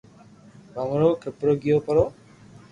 ڀمرو کپرو گيو پرو